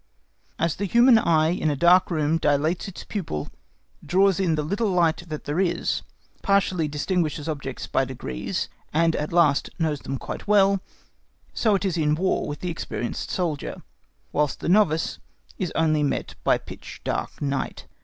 As the human eye in a dark room dilates its pupil, draws in the little light that there is, partially distinguishes objects by degrees, and at last knows them quite well, so it is in War with the experienced soldier, whilst the novice is only met by pitch dark night.